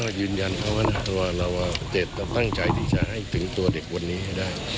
ก็ยืนยันเขาว่าตัวเราตั้งใจที่จะให้ถึงตัวเด็กวันนี้ให้ได้